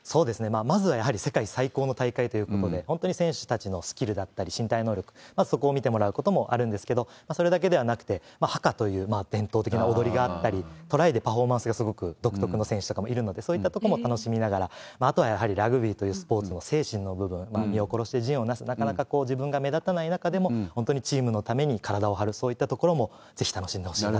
まずはやはり世界最高の大会ということで、本当に選手たちのスキルだったり身体能力、まずそこを見てもらうこともあるんですけど、それだけではなくて、ハカという伝統的な踊りがあったり、トライでパフォーマンスがすごく独特の選手がいるので、そういったところも楽しみながら、あとはやはり、ラグビーというスポーツの精神の部分、身を殺してなかなか自分が目立たない中でも、本当にチームのために体を張る、そういったところも、ぜひ楽しんでほしいなと。